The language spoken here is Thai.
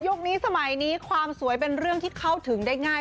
นี้สมัยนี้ความสวยเป็นเรื่องที่เข้าถึงได้ง่าย